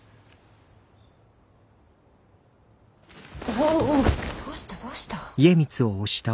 おおどうしたどうした。